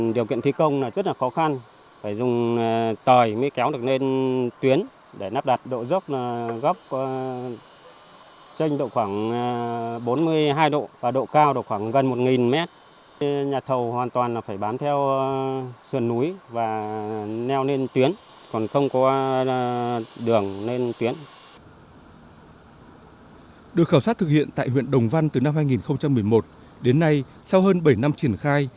được khảo sát thực hiện tại huyện đồng văn từ năm hai nghìn một mươi một đến nay sau hơn bảy năm triển khai